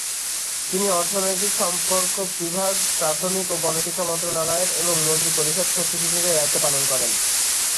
তিনি অর্থনৈতিক সম্পর্ক বিভাগ, প্রাথমিক ও গণশিক্ষা মন্ত্রণালয়ের এবং মন্ত্রিপরিষদ সচিব হিসেবে দায়িত্ব পালন করেন।